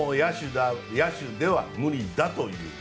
もう野手では無理だという。